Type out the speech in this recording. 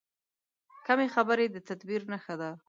کمې خبرې، د تدبیر نښه ده.